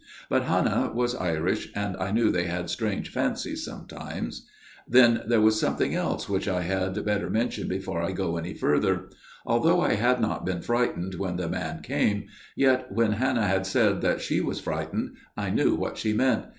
But Hannah was Irish, and I knew they had strange fancies sometimes. ' Then, there was something else, which I had 184 A MIRROR OF SHALOTT better mention before I go any further. Although I had not been frightened when the man came, yet, when Hannah had said that she was frightened, I knew what she meant.